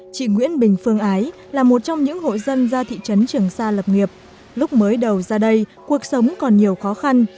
chị nguyễn bình phương ái là một trong những hộ dân ra thị trấn trường sa lập nghiệp lúc mới đầu ra đây cuộc sống còn nhiều khó khăn